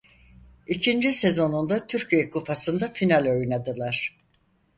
İkinci sezonunda Türkiye Kupası'nda final oynadılar.